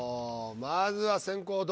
まずは先攻堂